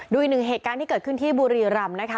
อีกหนึ่งเหตุการณ์ที่เกิดขึ้นที่บุรีรำนะคะ